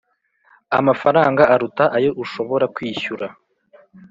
amafaranga aruta ayo ushobora kwishyura